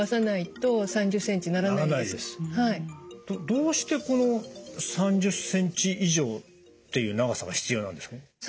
どどうしてこの３０ｃｍ以上っていう長さが必要なんですか？